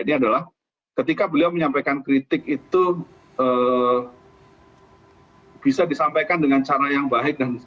ini adalah ketika beliau menyampaikan kritik itu bisa disampaikan dengan cara yang baik